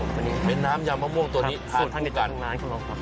เป็นน้ำยำมะม่วงตัวนี้ทานคู่กันครับสูตรทางเด็ดจากทางร้านครับผมครับ